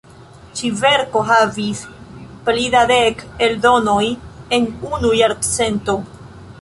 Ĉi-verko havis pli da dek eldonoj en unu jarcento.